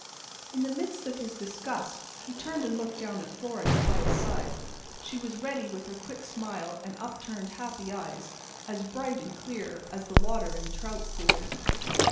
In the midst of his disgust he turned and looked down at Florence by his side. She was ready with her quick smile and upturned, happy eyes, as bright and clear as the water in trout pools.